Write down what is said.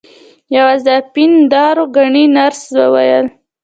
یوازې اپین دارو ګڼي نرس وویل.